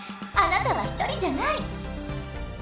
あなたは１人じゃない！